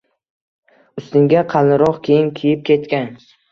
Ustingga qalinroq kiyim kiyib ketgin